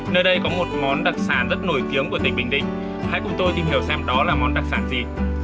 nơi đây có một món đặc sản rất nổi tiếng của tỉnh bình định hãy cùng tôi tìm hiểu xem đó là món đặc sản gì